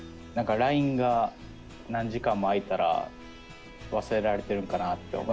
何かラインが何時間も空いたら忘れられてるんかなって。